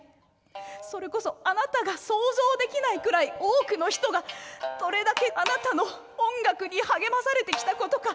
それこそあなたが想像できないぐらい多くの人がどれだけあなたの音楽に励まされてきたことか。